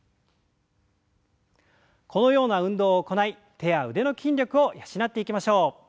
このような運動を行い手や腕の筋力を養っていきましょう。